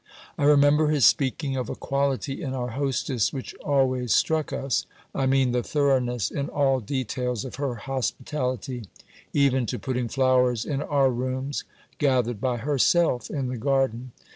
I remember his speaking of a quality in our hostess which always struck us; I mean the thoroughness in all details of her hospitality, even to putting flowers in our rooms, gathered by herself in the garden.